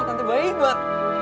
tante baik banget